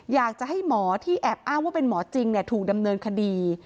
อยากจะให้หมอที่แอบอ้างว่าเป็นหมอจริงถูกดำเนินคดี